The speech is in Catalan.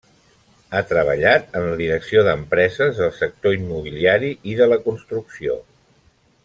Ha treballat en la direcció d'empreses del sector immobiliari i de la construcció.